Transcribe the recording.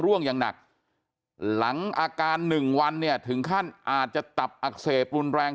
ร่วงอย่างหนักหลังอาการหนึ่งวันเนี่ยถึงขั้นอาจจะตับอักเสบรุนแรง